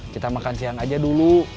kita makan siang aja dulu